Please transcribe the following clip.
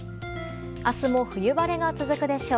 明日も冬晴れが続くでしょう。